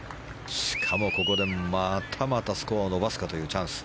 しかも、ここでまたまたスコアを伸ばすかというチャンス。